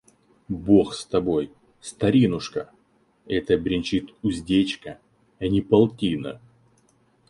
– Бог с тобой, старинушка! Это бренчит уздечка, а не полтина».